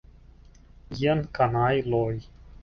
Jen, kanajloj!